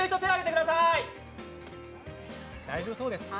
大丈夫そうです。